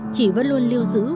chỉ vẫn luôn lưu giữ